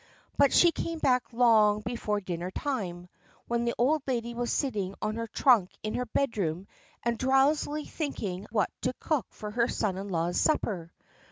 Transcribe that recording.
But she came back long before dinner time, when the old lady was sitting on her trunk in her bedroom and drowsily thinking what to cook for her son in law's supper.